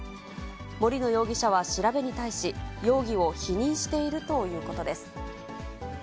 森野容疑者は調べに対し、容疑を否認しているということです。